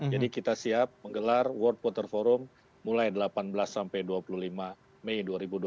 jadi kita siap menggelar world water forum mulai delapan belas sampai dua puluh lima mei dua ribu dua puluh empat